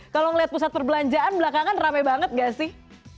kalau ngeliat pusat perbelanjaan belakangan rame banget gak sih